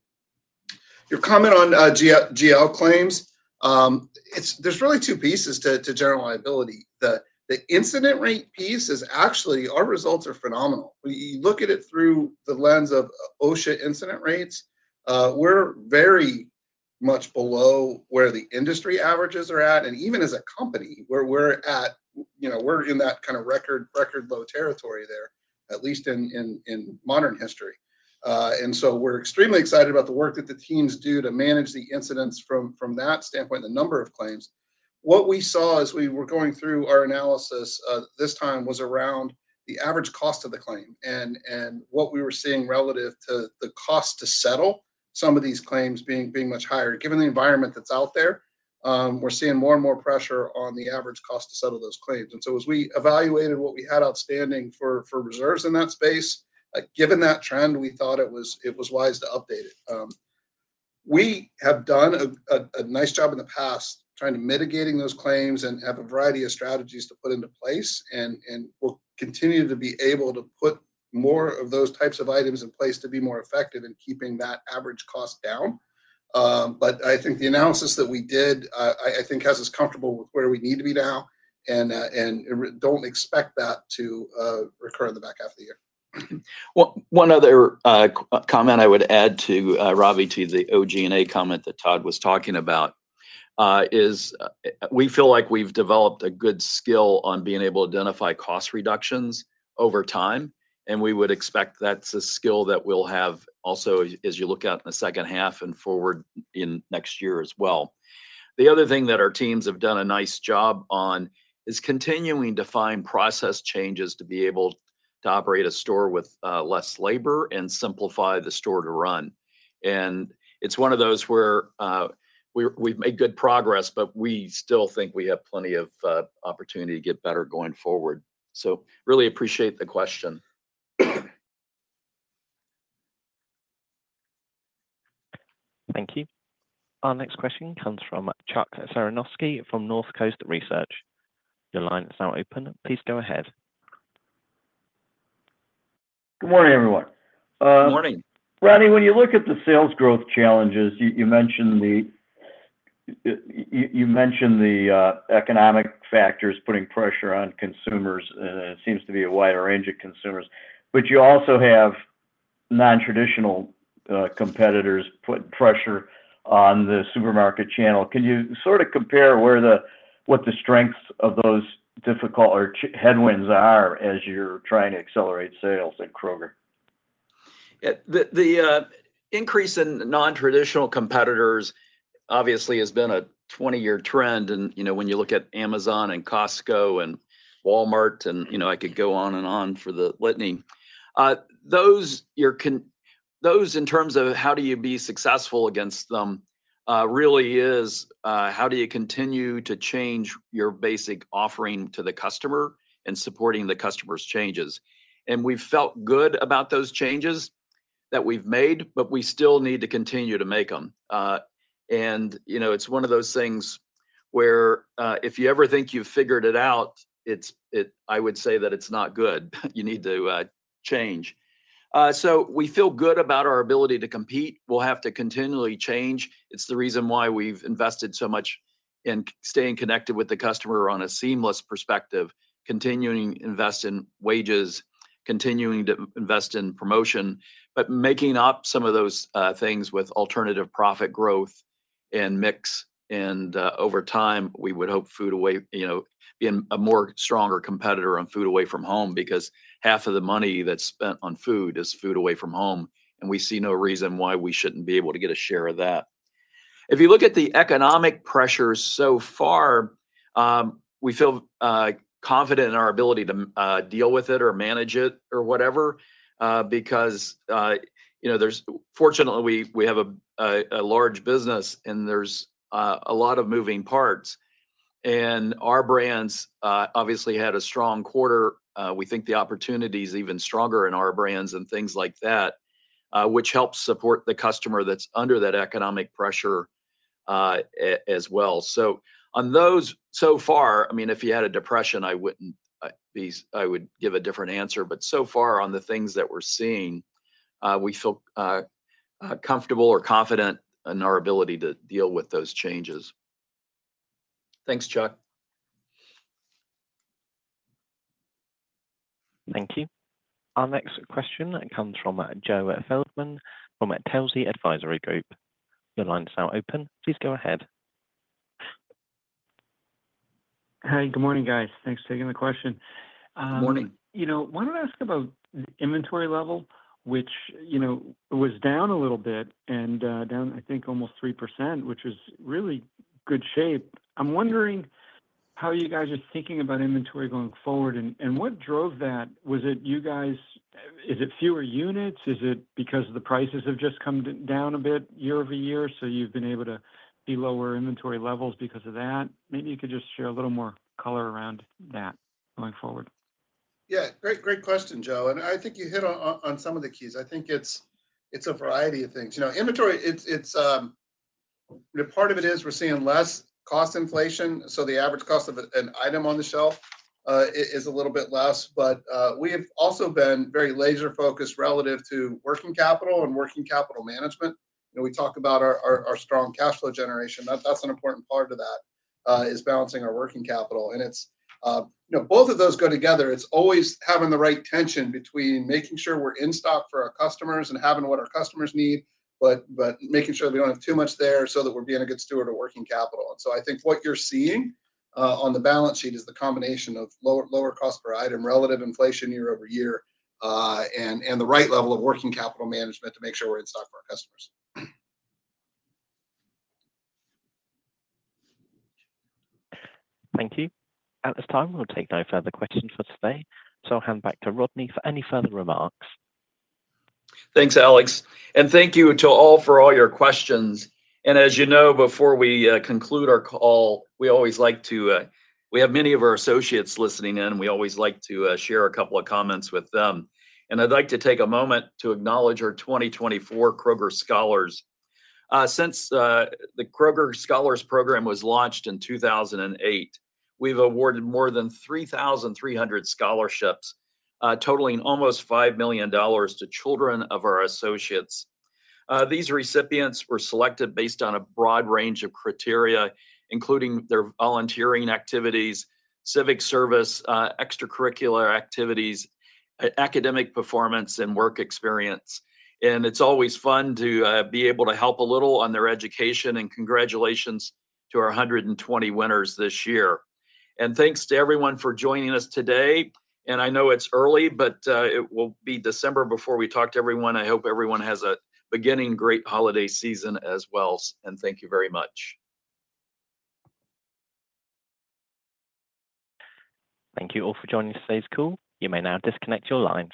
Your comment on GL claims, it's... There's really two pieces to general liability. The incident rate piece is actually our results are phenomenal. We look at it through the lens of OSHA incident rates, we're very much below where the industry averages are at, and even as a company, where we're at, you know, we're in that kind of record low territory there, at least in modern history. So we're extremely excited about the work that the teams do to manage the incidents from that standpoint, the number of claims. What we saw as we were going through our analysis this time was around the average cost of the claim, and what we were seeing relative to the cost to settle some of these claims being much higher. Given the environment that's out there, we're seeing more and more pressure on the average cost to settle those claims and so as we evaluated what we had outstanding for reserves in that space, given that trend, we thought it was wise to update it. We have done a nice job in the past trying to mitigate those claims and have a variety of strategies to put into place, and we'll continue to be able to put more of those types of items in place to be more effective in keeping that average cost down. But I think the analysis that we did has us comfortable with where we need to be now and don't expect that to recur in the back half of the year. One other comment I would add to Robbie to the OG&A comment that Todd was talking about is we feel like we've developed a good skill on being able to identify cost reductions over time, and we would expect that's a skill that we'll have also as you look out in the second half and forward in next year as well. The other thing that our teams have done a nice job on is continuing to find process changes to be able to operate a store with less labor and simplify the store to run. It's one of those where we've made good progress, but we still think we have plenty of opportunity to get better going forward. Really appreciate the question. Thank you. Our next question comes from Chuck Cerankosky from Northcoast Research. Your line is now open. Please go ahead. Good morning, everyone. Good morning. Rodney, when you look at the sales growth challenges, you mentioned the economic factors putting pressure on consumers, seems to be a wider range of consumers, but you also have non-traditional competitors putting pressure on the supermarket channel. Can you sort of compare what the strengths of those difficult or challenging headwinds are as you're trying to accelerate sales at Kroger? Yeah, the increase in non-traditional competitors obviously has been a 20-year trend, and, you know, when you look at Amazon and Costco and Walmart and, you know, I could go on and on. Those in terms of how do you be successful against them really is how do you continue to change your basic offering to the customer and supporting the customer's changes? And we've felt good about those changes that we've made, but we still need to continue to make them. You know, it's one of those things where if you ever think you've figured it out, it's. I would say that it's not good. You need to change. So we feel good about our ability to compete. We'll have to continually change. It's the reason why we've invested so much in staying connected with the customer on a seamless perspective, continuing to invest in wages, continuing to invest in promotion, but making up some of those things with Alternative Profit growth and mix. And over time, we would hope food away, you know, being a more stronger competitor on food away from home, because half of the money that's spent on food is food away from home, and we see no reason why we shouldn't be able to get a share of that. If you look at the economic pressures so far... We feel confident in our ability to deal with it or manage it or whatever, because you know, fortunately we have a large business and there's a lot of moving parts, and Our Brands obviously had a strong quarter. We think the opportunity is even stronger in Our Brands and things like that, which helps support the customer that's under that economic pressure, as well, so on those so far, I mean, if you had a depression, I would give a different answer, but so far on the things that we're seeing, we feel comfortable or confident in our ability to deal with those changes. Thanks, Chuck. Thank you. Our next question comes from Joe Feldman from Telsey Advisory Group. Your line is now open. Please go ahead. Hi, good morning, guys. Thanks for taking the question. Good morning. You know, wanted to ask about inventory level, which, you know, was down a little bit and down, I think, almost 3%, which is really good shape. I'm wondering how you guys are thinking about inventory going forward, and what drove that? Was it you guys... Is it fewer units? Is it because the prices have just come down a bit year over year, so you've been able to be lower inventory levels because of that? Maybe you could just share a little more color around that going forward. Yeah, great, great question, Joe, and I think you hit on some of the keys. I think it's a variety of things. You know, inventory, it's part of it is we're seeing less cost inflation, so the average cost of an item on the shelf is a little bit less. But we have also been very laser focused relative to working capital and working capital management. You know, we talk about our strong cash flow generation. That's an important part of that is balancing our working capital and it's you know, both of those go together. It's always having the right tension between making sure we're in stock for our customers and having what our customers need, but making sure we don't have too much there, so that we're being a good steward of working capital. I think what you're seeing on the balance sheet is the combination of lower cost per item, relative inflation year over year, and the right level of working capital management to make sure we're in stock for our customers. Thank you. At this time, we'll take no further questions for today, so I'll hand back to Rodney for any further remarks. Thanks, Alex, and thank you to all for all your questions. As you know, before we conclude our call, we always like to. We have many of our associates listening in, we always like to share a couple of comments with them. I'd like to take a moment to acknowledge our 2024 Kroger Scholars. Since the Kroger Scholars Program was launched in 2008, we've awarded more than 3,300 scholarships, totaling almost $5 million to children of our associates. These recipients were selected based on a broad range of criteria, including their volunteering activities, civic service, extracurricular activities, academic performance, and work experience. It's always fun to be able to help a little on their education, and congratulations to our 120 winners this year. Thanks to everyone for joining us today. I know it's early, but it will be December before we talk to everyone. I hope everyone has a great holiday season as well, and thank you very much. Thank you all for joining today's call. You may now disconnect your line.